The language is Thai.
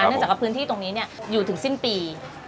เนื่องจากว่าพื้นที่ตรงนี้อยู่ถึงสิ้นปี